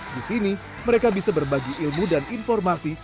di sini mereka bisa berbagi ilmu dan informasi